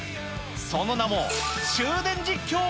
その名も、終電実況。